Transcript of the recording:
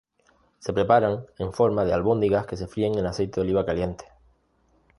Se preparan en forma de albóndigas que se fríen en aceite de oliva caliente.